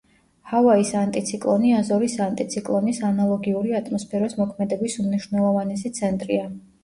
ჰავაის ანტიციკლონი აზორის ანტიციკლონის ანალოგიური ატმოსფეროს მოქმედების უმნიშვნელოვანესი ცენტრია.